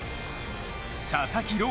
佐々木朗